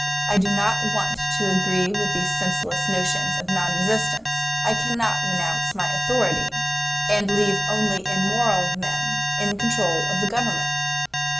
I do not want to agree with these senseless notions of non resistance. I cannot renounce my authority and leave only immoral men in control of the government.